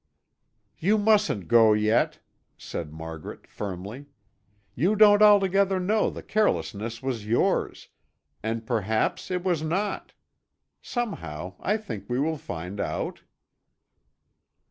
"You mustn't go yet," said Margaret firmly. "You don't altogether know the carelessness was yours, and perhaps it was not. Somehow I think we will find out."